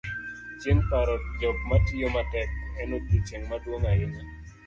chieng' paro jok matiyo matek, en odiochieng' maduong' ahinya